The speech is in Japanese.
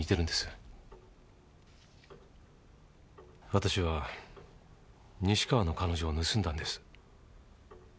私は西川の彼女を盗んだんです。